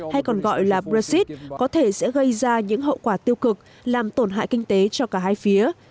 hay còn gọi là brexit có thể sẽ gây ra những hậu quả tiêu cực làm tổn hại kinh tế cho cả hai phía